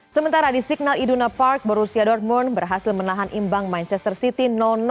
sementara di signal iduna park borussia dortmund berhasil menahan imbang manchester city